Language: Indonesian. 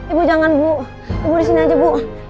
ibu jangan bu ibu di sini aja bu